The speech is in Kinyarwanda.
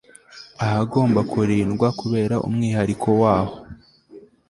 ahagomba kurindwa kubera umwihariko waho